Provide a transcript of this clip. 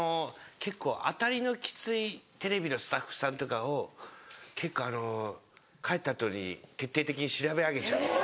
結構当たりのきついテレビのスタッフさんとかを結構あの帰った後に徹底的に調べ上げちゃうんです。